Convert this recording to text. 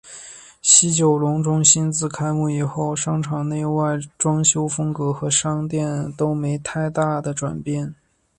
西九龙中心自开幕以后商场内外装修风格和商店都没太大的转变。